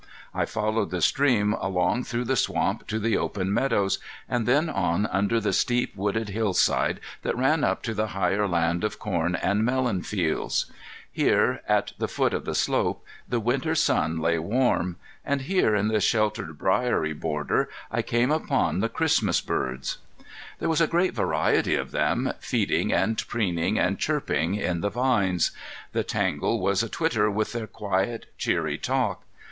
I followed the stream along through the swamp to the open meadows, and then on under the steep wooded hillside that ran up to the higher land of corn and melon fields. Here at the foot of the slope the winter sun lay warm, and here in the sheltered briery border I came upon the Christmas birds. There was a great variety of them, feeding and preening and chirping in the vines. The tangle was a twitter with their quiet, cheery talk.